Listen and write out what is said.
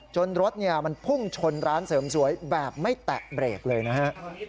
รถมันพุ่งชนร้านเสริมสวยแบบไม่แตะเบรกเลยนะฮะ